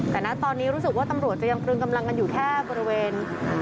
แต่นะตอนนี้รู้สึกว่าตำรวจจะยังตรึงกำลังกันอยู่แค่บริเวณ